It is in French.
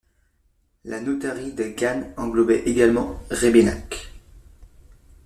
La notairie de Gan englobait également Rébénacq.